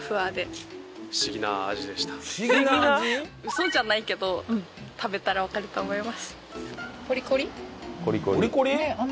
嘘じゃないけど食べたらわかると思います。